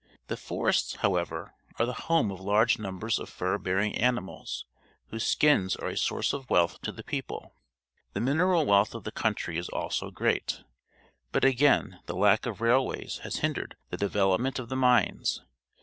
The forests, however, are the home of large numbers of fur bearing animals, whose skins are a source of wealth to the people. The mineral wealth of the country is also great, but again the lack of railwaj^s has hindered the development of the mines.